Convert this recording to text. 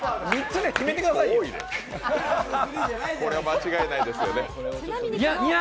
これは間違いないですよね。